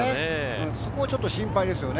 そこがちょっと心配ですよね。